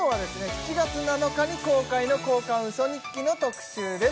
７月７日に公開の「交換ウソ日記」の特集です